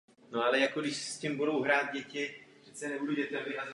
V současnosti je obecně považován za největšího známého dravého dinosaura.